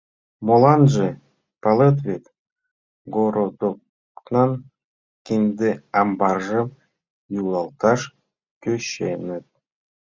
Моланже — палет вет: городокнан кинде амбаржым йӱлалташ тӧченыт.